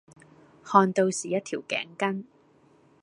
看到是一條頸巾